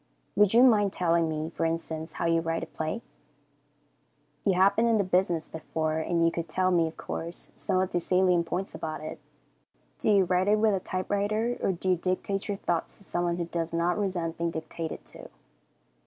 Would you mind telling me, for instance, how you write a play? You have been in the business before, and you could tell me, of course, some of the salient points about it. Do you write it with a typewriter, or do you dictate your thoughts to someone who does not resent being dictated to?